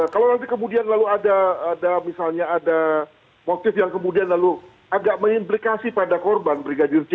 kalau nanti kemudian lalu ada misalnya ada motif yang kemudian lalu agak mengimplikasi pada korban brigadir c